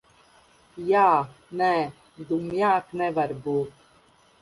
Jā, nē. Dumjāk nevar būt.